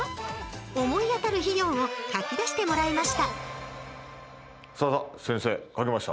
思い当たる費用を書き出してもらいましたさあ先生書きました。